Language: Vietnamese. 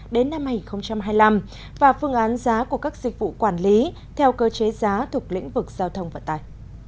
đến năm hai nghìn hai mươi năm và phương án giá của các dịch vụ quản lý theo cơ chế giá thuộc lĩnh vực giao thông vận tải